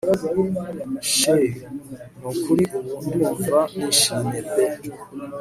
chr nukuri ubu ndumva nishimye pe